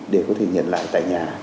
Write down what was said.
để có thể nhận lại tại nhà